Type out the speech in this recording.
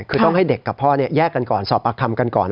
คือต้องให้เด็กกับพ่อแยกกันก่อนสอบปากคำกันก่อน